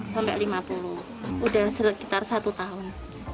sudah sekitar satu tahun